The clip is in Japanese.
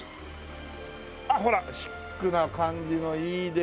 あっほらシックな感じのいいでげすよ。